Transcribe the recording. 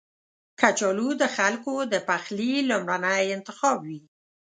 کچالو د خلکو د پخلي لومړنی انتخاب وي